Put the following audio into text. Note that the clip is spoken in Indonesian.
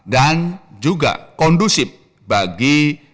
juga kondusif bagi